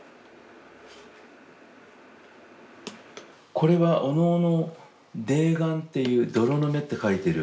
これはお能の「泥眼」っていう泥の眼って書いてる。